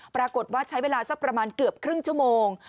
ปรากฏว่าใช้เวลาสักประมาณเกือบครึ่งชั่วโมง